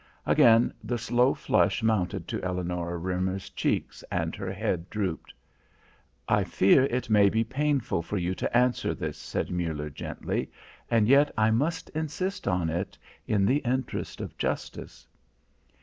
Again the slow flush mounted to Eleonora Roemer's cheeks and her head drooped. "I fear it may be painful for you to answer this," said Muller gently, "and yet I must insist on it in the interest of justice."